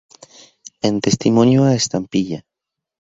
En testimonio a Estampilla.